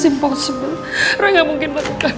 ini tidak mungkin